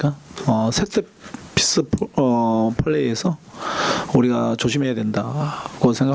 dan juga karena kondisi kondisi mereka sangat baik